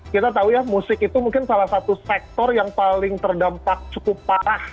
kita tahu ya musik itu mungkin salah satu sektor yang paling terdampak cukup parah